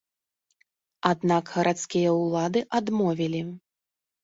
Аднак гарадскія ўлады адмовілі.